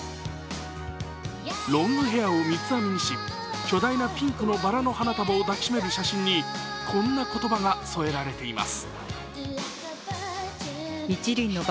ロングヘアを三つ編みし巨大なピンクのばらの花束を抱き締める写真に、こんな言葉が添えられています。